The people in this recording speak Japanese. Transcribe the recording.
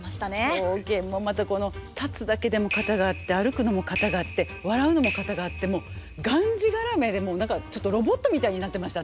狂言もまたこの立つだけでも型があって歩くのも型があって笑うのも型があってもうがんじがらめで何かちょっとロボットみたいになってました